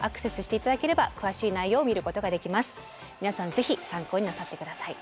ぜひ参考になさって下さい。